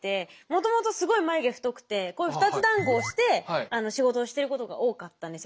もともとすごい眉毛太くてこういう２つだんごをして仕事をしてることが多かったんですよ。